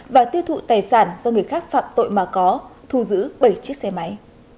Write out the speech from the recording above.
và tiêu thụ tài sản do người khác phạm tội mà có thu giữ bảy chiếc xe máy